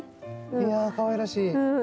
いやぁかわいらしい。